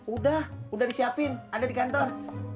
udah udah disiapin ada di kantor